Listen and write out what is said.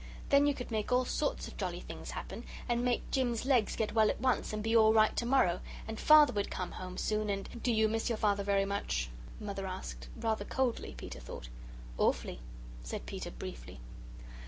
Then you could make all sorts of jolly things happen, and make Jim's legs get well at once and be all right to morrow, and Father come home soon and " "Do you miss your Father very much?" Mother asked, rather coldly, Peter thought. "Awfully," said Peter, briefly.